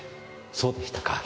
そうでしたか。